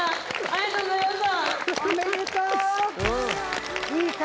ありがとうございます。